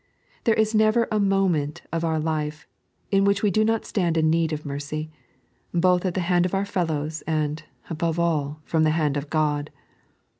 There is never a moment of our life in which we do not stand in need of mercy, both at the hands of onr fellows, and, above all, &om the hand of God.